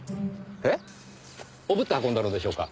えっ？おぶって運んだのでしょうか？